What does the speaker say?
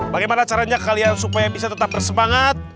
bagaimana caranya kalian supaya bisa tetap bersemangat